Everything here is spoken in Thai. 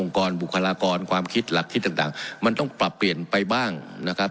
กรบุคลากรความคิดหลักคิดต่างมันต้องปรับเปลี่ยนไปบ้างนะครับ